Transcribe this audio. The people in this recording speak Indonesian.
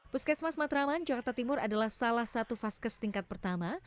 puskesmas matraman jakarta timur adalah salah satu vaskes tingkat pertama